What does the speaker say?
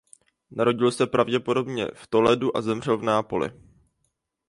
Narodil se pravděpodobně v Toledu a zemřel v Neapoli.